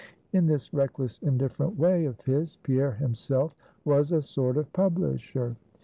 In this reckless, indifferent way of his, Pierre himself was a sort of publisher.